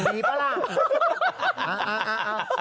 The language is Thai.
ดิบาร่า